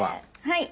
はい！